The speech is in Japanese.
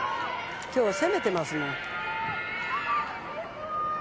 今日攻めてますもん。